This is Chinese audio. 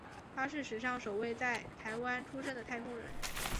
他是史上首位在台湾出生的太空人。